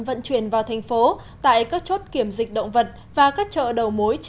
vận chuyển vào thành phố tại các chốt kiểm dịch động vật và các chợ đầu mối